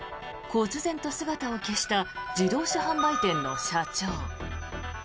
こつぜんと姿を消した自動車販売店の社長。